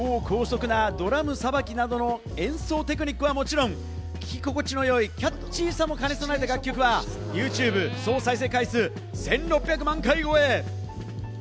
超高速なドラムさばきなどの演奏テクニックはもちろん、聴き心地の良いキャッチーさも兼ね備えた楽曲はユーチューブ総再生回数１６００万回超え。